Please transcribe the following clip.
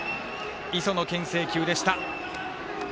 磯のけん制球でした。